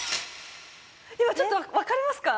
今ちょっとわかりますか？